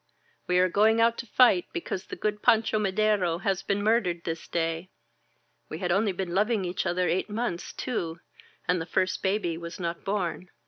we are going out to fight because the good Pancho Madero has been mur dered this day!' We had only been loving each other eight months, too, and the first baby was not bom. .